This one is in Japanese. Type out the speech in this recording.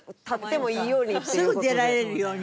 すぐ出られるように。